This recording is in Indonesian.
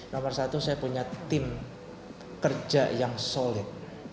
nomor satu saya punya tim kerja yang solid